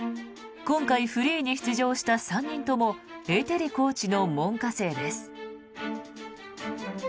今回、フリーに出場した３人ともエテリコーチの門下生です。